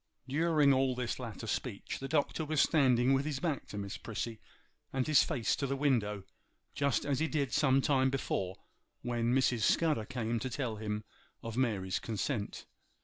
During all this latter speech the Doctor was standing with his back to Miss Prissy and his face to the window, just as he did some time before when Mrs. Scudder came to tell him of Mary's consent.